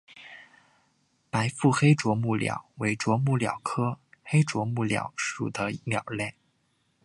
白腹黑啄木鸟为啄木鸟科黑啄木鸟属的鸟类。